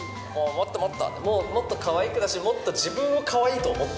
もっともっと、もっとかわいくだし、もっと自分をかわいいと思って。